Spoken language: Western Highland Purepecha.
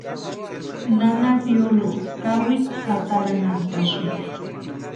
Nana Violoo kawikwa ataranhantasïnti.